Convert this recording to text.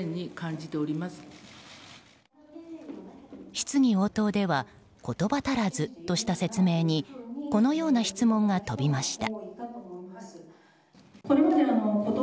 質疑応答では言葉足らずとした説明にこのような質問が飛びました。